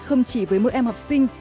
không chỉ với mỗi em học sinh